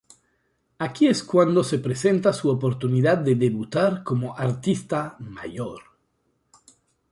Aquí es cuando se presenta su oportunidad de debutar como artista "major".